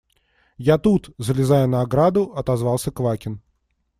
– Я тут, – залезая на ограду, отозвался Квакин.